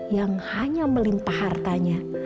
yang hanya melimpah hartanya